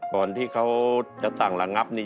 ก่อนที่เขาจะสั่งระงับนี่